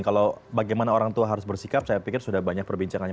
kalau bagaimana orang tua harus bersikap saya pikir sudah banyak perbincangannya